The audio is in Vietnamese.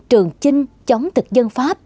trường chinh chống tịch dân pháp